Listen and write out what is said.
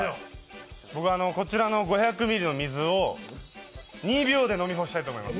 僕はこちらの５００ミリの水を２秒で飲み干したいと思います。